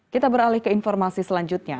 kita beralih ke informasi selanjutnya